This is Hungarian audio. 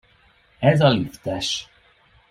Ez a liftes.